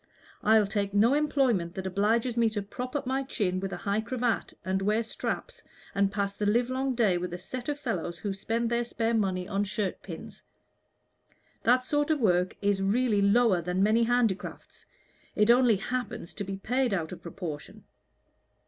I'll take no employment that obliges me to prop up my chin with a high cravat, and wear straps, and pass the livelong day with a set of fellows who spend their spare money on shirt pins. That sort of work is really lower than many handicrafts; it only happens to be paid out of proportion.